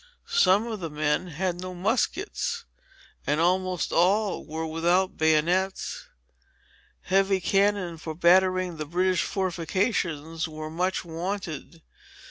Some of the men had no muskets, and almost all were without bayonets. Heavy cannon, for battering the British fortifications, were much wanted.